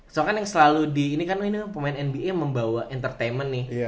soalnya kan yang selalu di ini kan pemain nba membawa entertainment nih